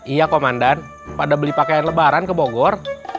iya komandan pada beli pakaian lebaran ke bogor